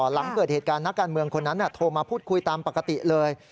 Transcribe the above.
หลังเกิดเหตุการณ์นักการเมืองคนนั้นโทรมาพูดคุยตามปกติเลย